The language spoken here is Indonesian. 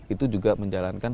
itu juga menjalankan